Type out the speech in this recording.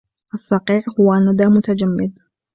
الصقيع هو ندى متجمّد.